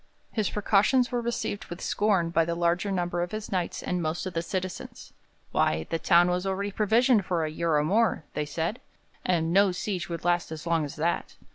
His precautions were received with scorn by the larger number of his Knights and most of the citizens. 'Why, the town was already provisioned for a year or more,' they said, 'and no siege would last as long as that.'